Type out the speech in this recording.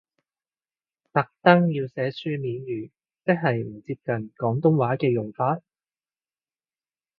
特登要寫書面語，即係唔接近廣東話嘅用法？